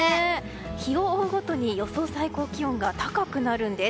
日を追うごとに予想最高気温が高くなるんです。